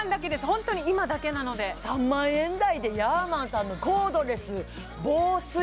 ホントに今だけなので３万円台でヤーマンさんのコードレス防水？